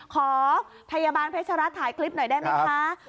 ขอพยาบาลเพชรรัฐถ่ายคลิปหน่อยได้ไหมคะ